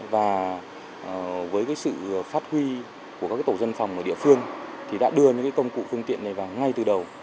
và với sự phát huy của các tổ dân phòng ở địa phương thì đã đưa những công cụ phương tiện này vào ngay từ đầu